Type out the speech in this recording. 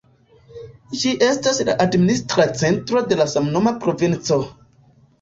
Ĝi estas la administra centro de samnoma provinco.